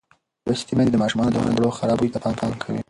لوستې میندې د ماشومانو د خوړو خراب بوی ته پام کوي.